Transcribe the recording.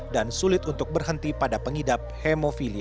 dan sulit untuk berhenti pada pengidap hemofilia